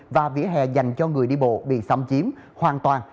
và vỉa hè dành cho người đi bộ bị xâm chiếm hoàn toàn